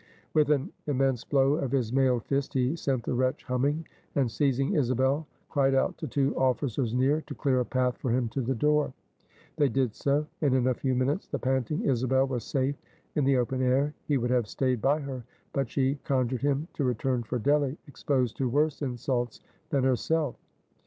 With an immense blow of his mailed fist, he sent the wretch humming, and seizing Isabel, cried out to two officers near, to clear a path for him to the door. They did so. And in a few minutes the panting Isabel was safe in the open air. He would have stayed by her, but she conjured him to return for Delly, exposed to worse insults than herself.